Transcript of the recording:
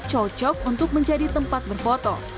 cocok untuk menjadi tempat berfoto